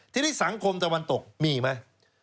ทีนี้สังคมตะวันตกมีไหม